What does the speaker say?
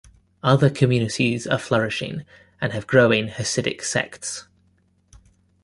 Other communities are flourishing and have growing Hasidic sects.